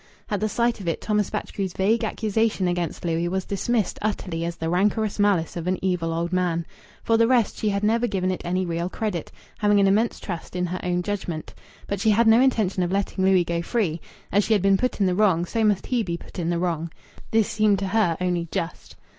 At the sight of it Thomas Batchgrew's vague accusation against Louis was dismissed utterly as the rancorous malice of an evil old man. For the rest, she had never given it any real credit, having an immense trust in her own judgment. But she had no intention of letting Louis go free. As she had been put in the wrong, so must he be put in the wrong. This seemed to her only just.